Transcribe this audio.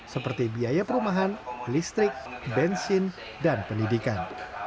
seperti biaya perumahan listrik bensin dan pendidikan